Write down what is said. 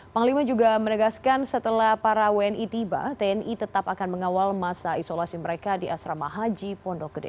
panglima juga menegaskan setelah para wni tiba tni tetap akan mengawal masa isolasi mereka di asrama haji pondok gede